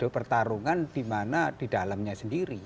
pertarungan di mana di dalamnya sendiri